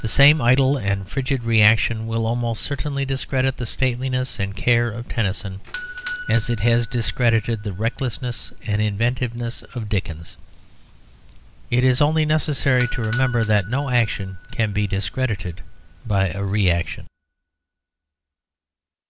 The same idle and frigid reaction will almost certainly discredit the stateliness and care of Tennyson, as it has discredited the recklessness and inventiveness of Dickens. It is only necessary to remember that no action can be discredited by a reaction.